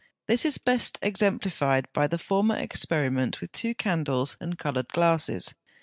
This is best exemplified by the former experiment with two candles and coloured glasses.